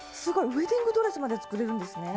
ウエディングドレスまで作れるんですね！